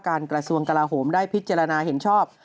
กระทรวงกลาโหมได้พิจารณาเห็นชอบ